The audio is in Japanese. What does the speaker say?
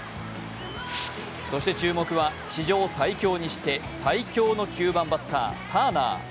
そして注目は、史上最強にして最恐の９番バッター、ターナー。